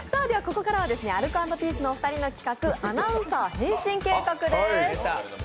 ここからはアルコ＆ピースのお二人の企画、アナウンサー変身計画です。